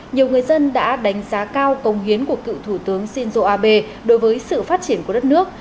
nhiều người dân đã đánh giá cao công hiến của cựu thủ tướng shinzo abe đối với sự phát triển của đất nước